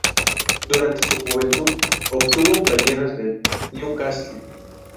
Durante su juventud obtuvo playeras del Newcastle.